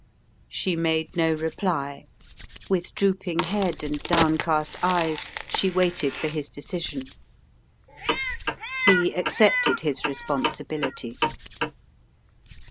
She made no reply. With drooping head and downcast eyes she waited for his decision. He accepted his responsibility.